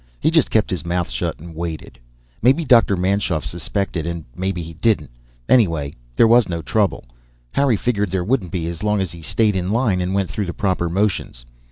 He just kept his mouth shut and waited. Maybe Dr. Manschoff suspected and maybe he didn't. Anyway, there was no trouble. Harry figured there wouldn't be, as long as he stayed in line and went through the proper motions.